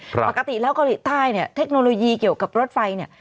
ปกติแล้วเกาหลีใต้เนี่ยเทคโนโลยีเกี่ยวกับรถไฟเนี่ย